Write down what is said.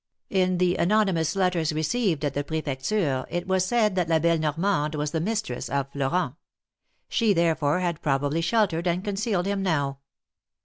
In the anonymous letters received at the Prefecture it was said that La belle Normande was the mistress of Florent. She, therefore, had probably sheltered and concealed him now.